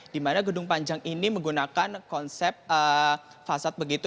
di mana gedung panjang ini menggunakan konsep fasad begitu